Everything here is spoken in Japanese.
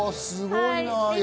すごいな。